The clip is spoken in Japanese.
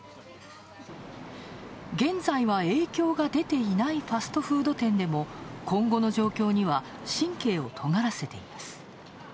現在は影響が出ていないファストフード店でも今後の状況には神経をとがらせています。